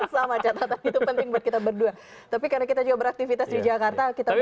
sama catatan itu penting buat kita berdua tapi karena kita juga beraktivitas di jakarta kita punya